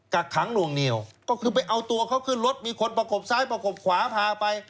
กักขังหน่วงเหนียวก็คือไปเอาตัวเขาขึ้นรถมีคนประกบซ้ายประกบขวาพาไป